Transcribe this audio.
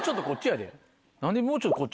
何でもうちょいこっち。